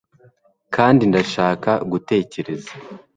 kandi ndashaka gutekereza